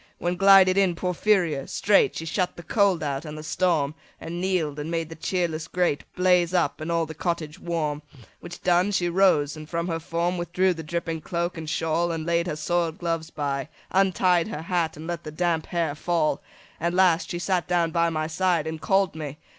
5 When glided in Porphyria; straight She shut the cold out and the storm, And kneel'd and made the cheerless grate Blaze up, and all the cottage warm; Which done, she rose, and from her form 10 Withdrew the dripping cloak and shawl, And laid her soil'd gloves by, untied Her hat and let the damp hair fall, And, last, she sat down by my side And call'd me.